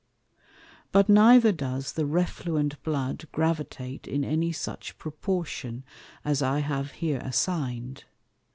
But neither does the Refluent Blood gravitate in any such proportion, as I have here assign'd.